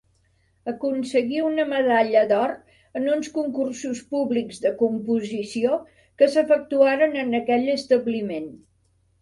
Aconseguí una medalla d'or en uns concursos públics de composició que s'efectuaren en aquell establiment.